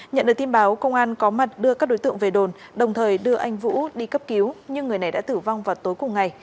nhận được tin báo công an có mặt đưa các đối tượng về đồn đồng thời đưa anh vũ đi cấp cứu nhưng người này đã tử vong vào tối cùng ngày